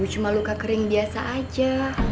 cuma luka kering biasa aja